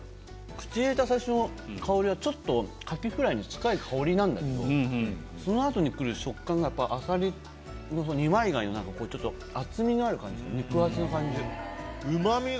口に入れた最初の香りはちょっとかきフライに近い香りなんだけどその後に来る食感がやっぱアサリの二枚貝の何かちょっと厚みのある感じ肉厚な感じ。